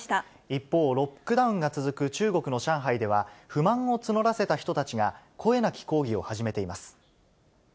一方、ロックダウンが続く中国の上海では、不満を募らせた人たちが声なき抗議を始めています。